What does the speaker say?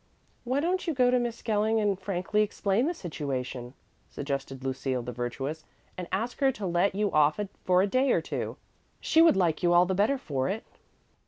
"Why don't you go to Miss Skelling and frankly explain the situation," suggested Lucille the virtuous, "and ask her to let you off for a day or two? She would like you all the better for it."